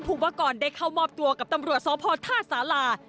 ภูหวะกรได้เข้ามอบตัวกับตำรวจเสาพอทาสาลา